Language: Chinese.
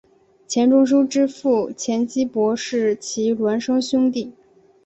钱钟书之父钱基博是其孪生兄弟。